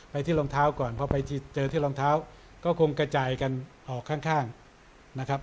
ที่รองเท้าก่อนพอไปเจอที่รองเท้าก็คงกระจายกันออกข้างนะครับ